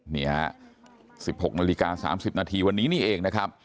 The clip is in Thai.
๑๖นาฬิกา๓๐นาทีวันนี้นี่เองนะครับ